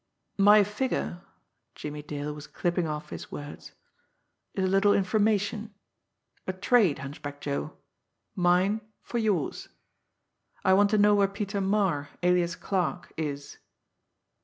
"My figure" Jimmie Dale was clipping off his words "is a little information. A trade, Hunchback Joe mine for yours. I want to know where Peter Marre, alias Clarke, is?"